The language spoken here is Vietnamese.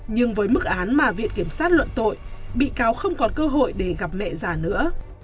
nhưng với mức án mà viện kiểm sát luận tội bị cáo không còn cơ hội để gặp mẹ già nữa